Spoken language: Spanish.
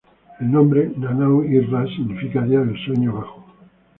El nombre "Nananu-i-Ra" significa "Día del Sueño bajo".